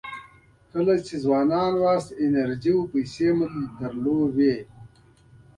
کله چې ځوانان وئ انرژي او پیسې مو درلودې.